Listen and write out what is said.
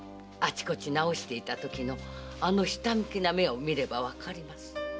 あちこち直していたときのあのひたむきな目を見ればわかります。